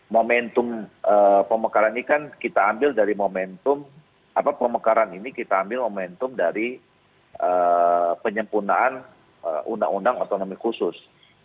momentum pemekaran ini kan kita ambil dari momentum pemekaran ini kita ambil momentum dari penyempurnaan undang undang otonomi khusus